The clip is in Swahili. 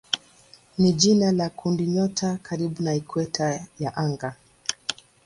ni jina la kundinyota karibu na ikweta ya anga.